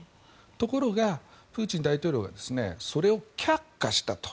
ところがプーチン大統領がそれを却下したと。